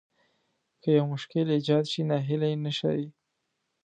که يو مشکل ايجاد شي ناهيلي نه ښايي.